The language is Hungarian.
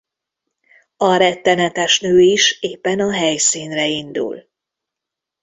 A rettenetes nő is éppen a helyszínre indul.